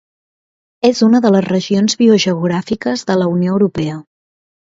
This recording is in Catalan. És una de les regions biogeogràfiques de la Unió Europea.